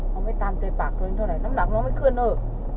เขาไม่ตามใจปากเครื่องนี้เท่าไหร่น้ำหนักเค้ามันไม่ขึ้นเออ